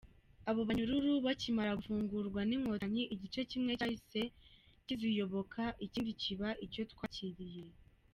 Abo banyururu bakimara gufungurwa n’inkotanyi, Igice kimwe cyahise kiziyoboka, ikindi kiba icyo twakiriye.